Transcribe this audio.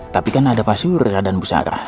tapi kan ada pasuru dan busara